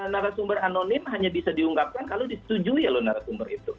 narasumber anonim hanya bisa diungkapkan kalau disetujui loh narasumber itu